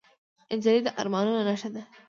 نجلۍ د ارمانونو نښه ده.